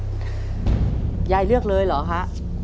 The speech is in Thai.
เรื่องที่สี่ไทยองค์สะทอนเรื่องที่ห้าขยะวัดยายเลือกเลยเหรอคะ